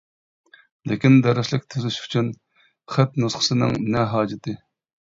لېكىن دەرسلىك تۈزۈش ئۈچۈن خەت نۇسخىسىنىڭ نە ھاجىتى.